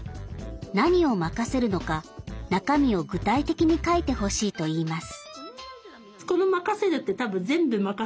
何を任せるのか中身を具体的に書いてほしいといいます。